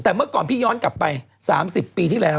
แต่เมื่อก่อนพี่ย้อนกลับไป๓๐ปีที่แล้ว